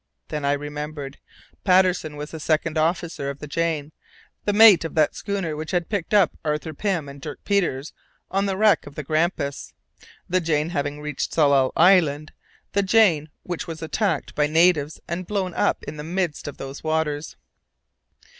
Then I remembered! Patterson was the second officer of the Jane, the mate of that schooner which had picked up Arthur Pym and Dirk Peters on the wreck of the Grampus, the Jane having reached Tsalal Island; the Jane which was attacked by natives and blown up in the midst of those waters.